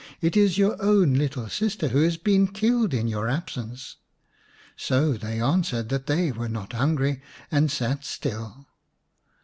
"It is your own little sister who has been killed in your absence." So they answered that they were not hungry and sat still.